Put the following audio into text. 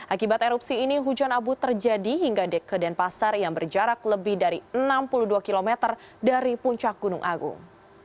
akibat erupsi ini hujan abu terjadi hingga ke denpasar yang berjarak lebih dari enam puluh dua km dari puncak gunung agung